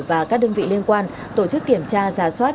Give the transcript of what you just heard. và các đơn vị liên quan tổ chức kiểm tra giả soát